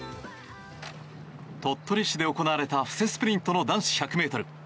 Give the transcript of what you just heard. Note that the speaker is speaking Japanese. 鳥取市で行われた布勢スプリントの男子１００ｍ。